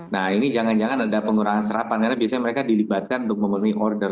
nah ini jangan jangan ada pengurangan serapan karena biasanya mereka dilibatkan untuk memenuhi order